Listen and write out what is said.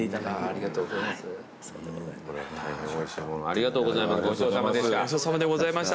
ありがとうございます。